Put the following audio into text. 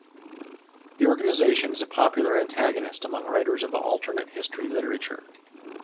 The organisation is a popular antagonist amongst writers of alternate history literature.